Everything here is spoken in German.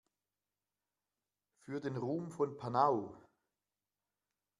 Für den Ruhm von Panau!